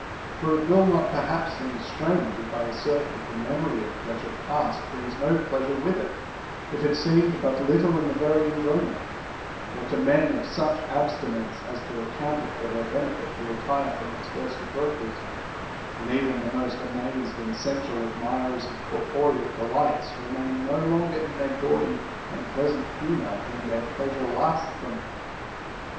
For it will not perhaps seem strange if I assert, that the memory of pleasure past brings no pleasure with it if it seemed but little in the very enjoyment, or to men of such ab stinence as to account it for their benefit to retire from its first approaches ; when even the most amazed and sensual admirers of corporeal delights remain no longer in their gaudy and pleasant humor than their pleasure lasts them.